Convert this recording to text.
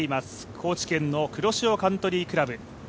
高知県の黒潮カントリークラブ。